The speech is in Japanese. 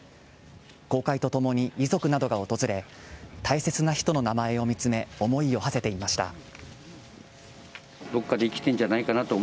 開所とともに遺族などが訪れ大切な人の名前を見つめ思いをはせていました。